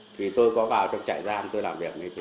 thì tôi có vào trong trại giam tôi làm việc với thủy